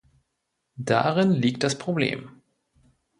Darin liegt das Problem.